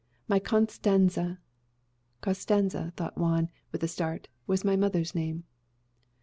My Costanza!" ("Costanza!" thought Juan with a start, "that was my mother's name!")